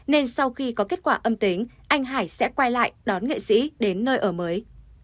nên sau khi có kết quả âm tính anh hải sẽ quay lại đón nghệ sĩ đến nơi ở mới